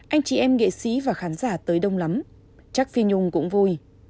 anh chị em nghệ sĩ và khán giả tới đông lắm chắc phi nhung cũng vui